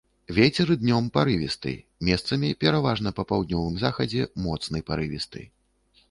Вецер днём парывісты, месцамі, пераважна па паўднёвым захадзе, моцны парывісты.